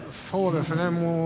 そうですね。